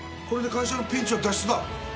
これで会社のピンチは脱出だ。